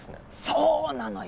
そうなのよ。